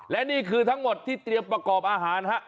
และนี่คือทั้งหมดที่เตรียมประกอบอาหารฮะ